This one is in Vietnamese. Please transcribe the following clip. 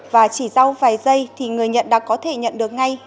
và chỉ sau vài giây thì người nhận đã có thể nhận được ngay